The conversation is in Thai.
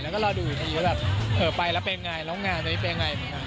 แล้วก็รอดูอีกทีแล้วแบบเออไปแล้วเป็นยังไงแล้วงานตอนนี้เป็นยังไงเหมือนกัน